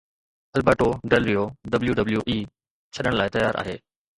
Alberto Del Rio WWE ڇڏڻ لاء تيار آهي